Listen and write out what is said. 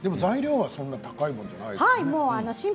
材料もそんなに高いものではないですよね。